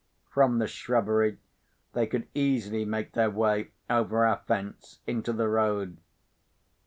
From the shrubbery, they could easily make their way, over our fence into the road.